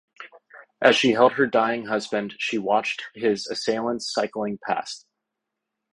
As she held her dying husband, she watched his assailants cycling past.